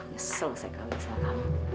ya selesai kau selesai kamu